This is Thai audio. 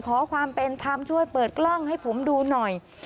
ขอความเป็นธรรมช่วยเปิดกล้องให้ผมดูหน่อย